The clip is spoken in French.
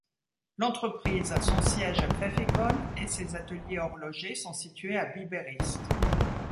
L'entreprise a son siège à Pfäffikon et ses ateliers horlogers sont situés à Biberist.